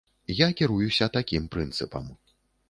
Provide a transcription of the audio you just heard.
Я кіруюся такім прынцыпам.